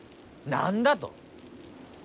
何だと。